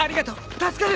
助かる。